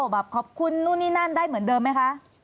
แบบขอบคุณนู่นนี่นั่นได้เหมือนเดิมไหมคะ